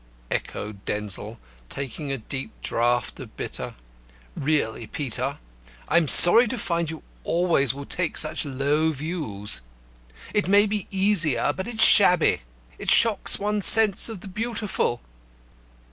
echoed Denzil, taking a deep draught of bitter. "Really, Peter, I'm sorry to find you always will take such low views. It may be easier, but it's shabby. It shocks one's sense of the Beautiful."